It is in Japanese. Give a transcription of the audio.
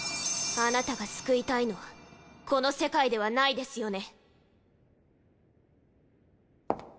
あなたが救いたいのはこの世界ではないですよね？